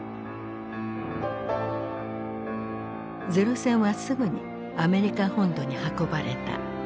零戦はすぐにアメリカ本土に運ばれた。